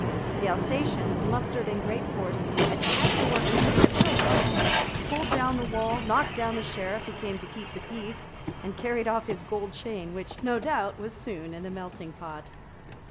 The Alsatians mustered in great force, attacked the workmen, killed one of them, pulled down the wall, knocked down the Sheriff who came to keep the peace, and carried off his gold chain, which, no doubt, was soon in the melting pot.